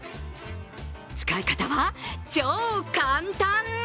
使い方は超簡単。